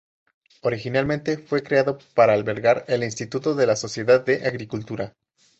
Originalmente fue creado para albergar el Instituto de la Sociedad de Agricultura.